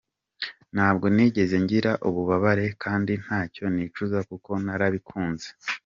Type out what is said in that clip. Ntabwo nigeze ngira ububabare kandi ntacyo nicuza kuko narabikunze.